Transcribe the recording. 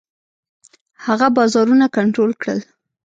هغه بازارونه کنټرول کړل.